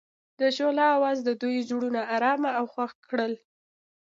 د شعله اواز د دوی زړونه ارامه او خوښ کړل.